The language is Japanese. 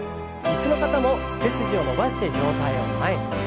椅子の方も背筋を伸ばして上体を前に。